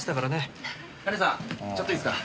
金さんちょっといいですか？